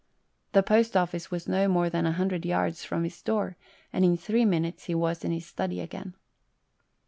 The Post Office was no more than a hundred yards from his door, and in three minutes he was in his study again.